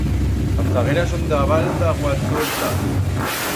As zagueras son d'a val d'Aguatuerta.